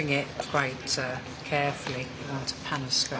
はい。